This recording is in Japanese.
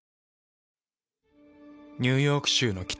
ニューヨーク州の北。